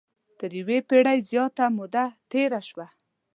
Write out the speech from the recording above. تر یوې پېړۍ زیاته موده تېره شوه.